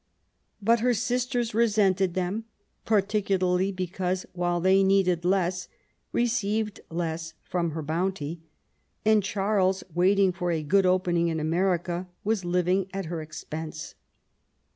But her sisters resented them, particularly because, while they, need ing less, received less from her bounty, and Charles, waiting for a good opening in America, was living at her expense.